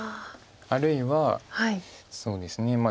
あるいはそうですね